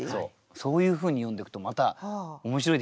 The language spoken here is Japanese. そういうふうに読んでいくとまた面白いでしょ？